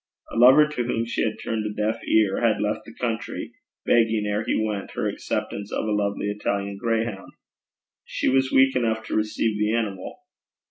A lover to whom she had turned a deaf ear had left the country, begging ere he went her acceptance of a lovely Italian grayhound. She was weak enough to receive the animal.